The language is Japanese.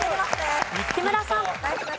木村さん。